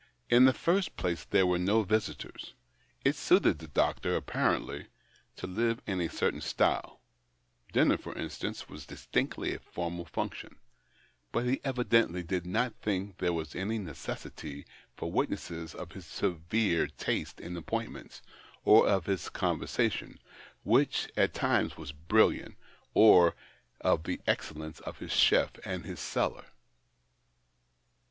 In the first place, there were no visitors : it suited the doctor, apparently, to live in a certain style — dinner, for instance, was distinctly a formal function — but he evidently did not think there was any necessity for witnesses of his severe taste in appointments, or of his conversation, which at times was brilliant, or of the excellence of his chef and his cellar.